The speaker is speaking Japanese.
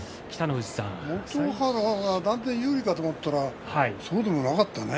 元春が断然有利だと思ったら、そうでもなかったね。